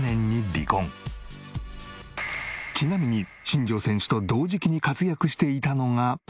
ちなみに新庄選手と同時期に活躍していたのが。